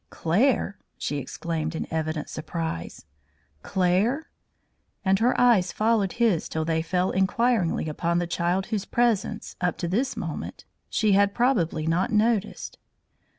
"Claire?" she exclaimed in evident surprise. "Claire?" and her eyes followed his till they fell inquiringly upon the child whose presence up to this moment she had probably not noticed.